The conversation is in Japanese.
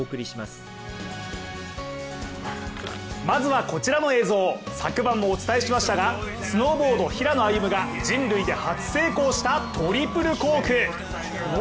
まずはこちらの映像、昨晩もお伝えしましたがスノーボード・平野歩夢が人類で初めて成功したトリプルコーク。